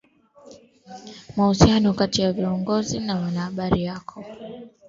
mahusiano kati ya viongozi na wanahabari yako